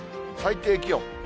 最低気温。